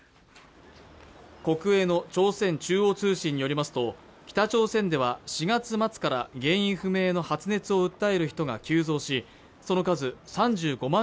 国営の朝鮮中央通信によりますと北朝鮮では４月末から原因不明の発熱を訴える人が急増しその数３５万